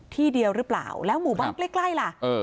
ที่เดียวหรือเปล่าแล้วหมู่บ้านใกล้ล่ะ